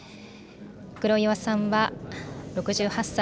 黒岩さんは６８歳。